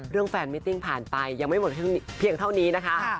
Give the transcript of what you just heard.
แฟนมิติ้งผ่านไปยังไม่หมดเพียงเท่านี้นะคะ